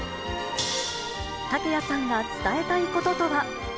竹谷さんが伝えたいこととは。